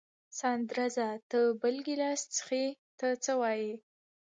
ساندرزه ته بل ګیلاس څښې، ته څه وایې؟